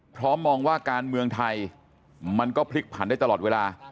มองว่าการเมืองไทยมันก็พลิกผันได้ตลอดเวลา